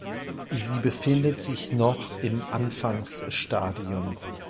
Sie befindet sich noch im Anfangsstadium.